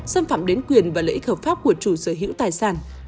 xâm phạm đến quyền và lợi ích hợp pháp của chủ sở hữu tài sản